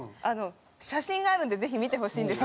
写真があるんでぜひ見てほしいんですけど。